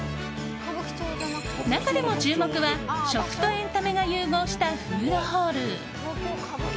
中でも注目は食とエンタメが融合したフードホール。